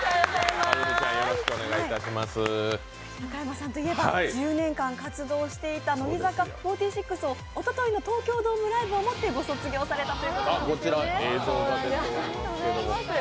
高山さんといえば１０年間活動していた乃木坂４６をおとといの東京ドームライブをもってご卒業されたんですね。